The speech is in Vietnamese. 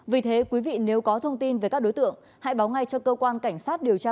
vì thế quý vị nếu có thông tin về các đối tượng hãy báo ngay cho cơ quan cảnh sát điều tra